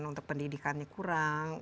untuk pendidikannya kurang